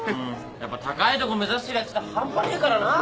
やっぱ高いところ目指してるヤツって半端ねえからなぁ。